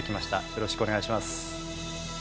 よろしくお願いします。